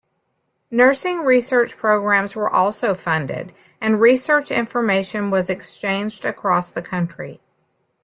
Nursing research programs were also funded and research information was exchanged across the country.